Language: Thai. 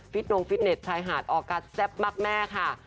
นงฟิตเน็ตชายหาดออกัสแซ่บมากแม่ค่ะ